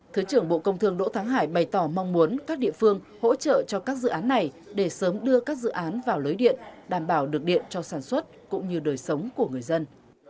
thứ trưởng bộ công thương đỗ thắng hải bày tỏ mong muốn các địa phương hỗ trợ cho các dự án này để sớm đưa các dự án vào lưới điện đảm bảo được điện cho sản xuất cũng như đời sống của người dân